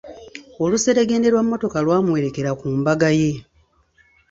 Oluseregende lwa mmotoka lwamuwerekera ku mbaga ye.